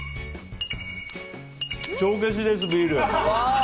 帳消しです、ビール！